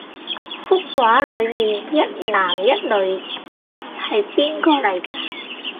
幅畫裡面一男一女係邊個嚟架？